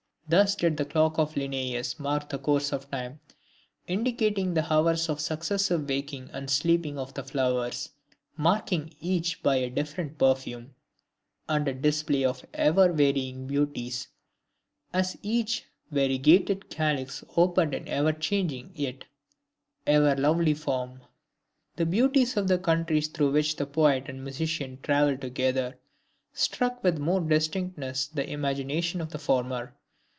Thus did the clock of Linnaeus mark the course of time, indicating the hours by the successive waking and sleeping of the flowers, marking each by a different perfume, and a display of ever varying beauties, as each variegated calyx opened in ever changing yet ever lovely form! The beauties of the countries through which the Poet and Musician travelled together, struck with more distinctness the imagination of the former.